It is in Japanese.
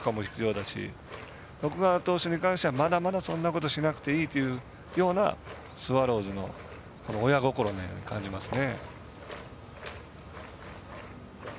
奥川投手に関してはまだまだそんなことしなくていいというようなスワローズの親心に感じますね。